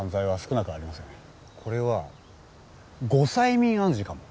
これは後催眠暗示かも。